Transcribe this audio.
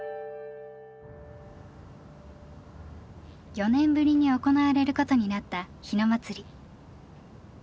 ４年ぶりに行われることになった日野祭。